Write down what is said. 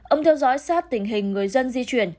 ông theo dõi sát tình hình người dân di chuyển